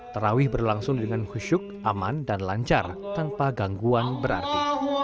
terawih berlangsung dengan khusyuk aman dan lancar tanpa gangguan berarti